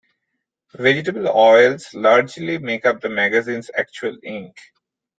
Vegetable oils largely make up the magazine's actual ink.